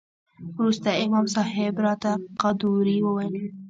وروسته امام صاحب راته قدوري وويل.